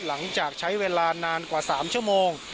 หลังจากใช้เวลานานกว่า๓ชั่วโมง